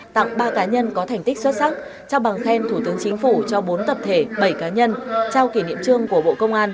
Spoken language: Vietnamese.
tặng ba cá nhân có thành tích xuất sắc trao bằng khen thủ tướng chính phủ cho bốn tập thể bảy cá nhân trao kỷ niệm trương của bộ công an